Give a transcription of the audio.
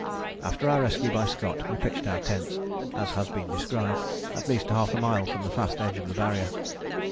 After our rescue by Scott we pitched our tents, as has been described, at least half a mile from the fast edge of the Barrier.